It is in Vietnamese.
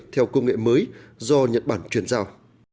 theo công nghệ mới do nhật bản truyền giao